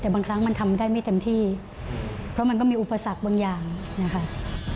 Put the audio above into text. แต่บางครั้งมันทำได้ไม่เต็มที่เพราะมันก็มีอุปสรรคบางอย่างนะคะ